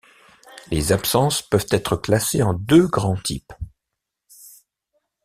Les absences peuvent être classées en deux grands types.